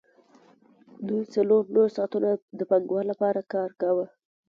دوی څلور نور ساعتونه د پانګوال لپاره کار کاوه